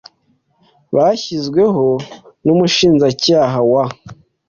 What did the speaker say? bashyizweho n Umushinjacyaha wa